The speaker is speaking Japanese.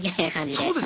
そうですね。